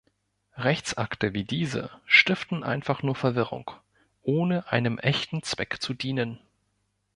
Rechtsakte, wie diese, stiften einfach nur Verwirrung, ohne einem echten Zweck zu dienen.